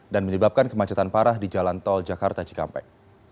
dan menyebabkan kemacetan parah di jalan tol jakarta cikampek